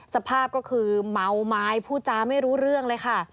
สภาพก็คือเมาไม้พูดจาไม่รู้เรื่องเลยค่ะ